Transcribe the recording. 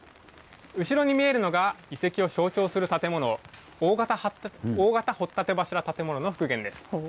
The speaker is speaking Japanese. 後ろに見えるのが遺跡を象徴する建物大型掘立柱建物の復元です。